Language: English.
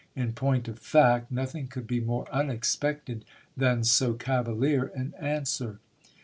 In point of fact, nothing could be more unexpected than so cavalier an answer.